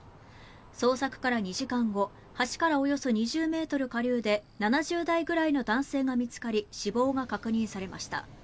捜索から２時間後橋からおよそ２０ｍ下流で７０代くらいの男性が見つかり死亡が確認されました。